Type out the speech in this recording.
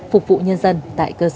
phục vụ nhân dân tại cơ sở